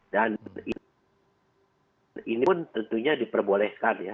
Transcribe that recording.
dan ini pun tentunya diperbolehkan ya